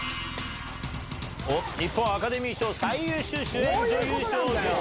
日本アカデミー賞最優秀主演女優賞